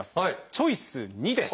チョイス２です。